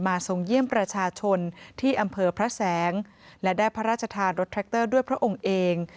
ทรงเยี่ยมประชาชนที่อำเภอพระแสงและได้พระราชทานรถแท็กเตอร์ด้วยพระองค์เอง